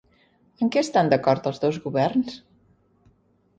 En què estan d'acord els dos governs?